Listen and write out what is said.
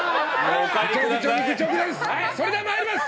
それでは参ります。